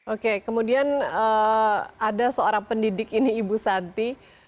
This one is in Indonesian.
oke kemudian ada seorang pendidik ini ibu santi